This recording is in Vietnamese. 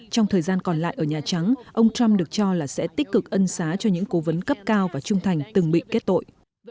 trong thời gian còn lại ở nhà trắng ông trump được cho là sẽ tích cực ân xá cho những cố vấn cấp cao và trung thành từng bị kết tội